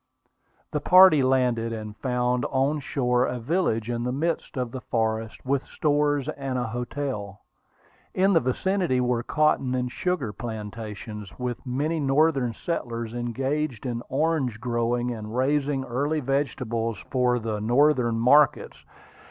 The party landed, and found on shore a village in the midst of the forest, with stores and a hotel. In the vicinity were cotton and sugar plantations, with many Northern settlers engaged in orange growing and raising early vegetables for the Northern markets.